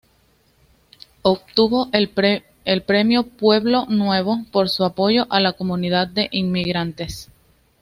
Obtuvo el premio Pueblo Nuevo por su apoyo a la comunidad de inmigrantes.